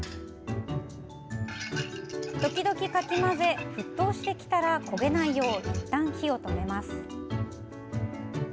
時々かき混ぜ、沸騰してきたら焦げないよういったん火を止めます。